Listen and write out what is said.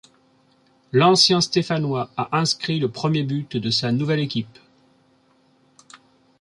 L'ancien stéphanois a inscrit le premier but de sa nouvelle équipe.